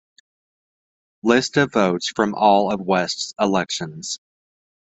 List of votes from all of West's elections.